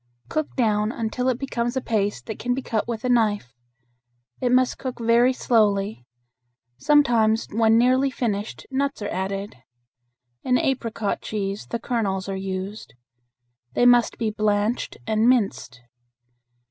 Cook down until it becomes a paste that can be cut with a knife. It must cook very slowly. Sometimes when nearly finished nuts are added. In apricot cheese the kernels are used. They must be blanched and minced.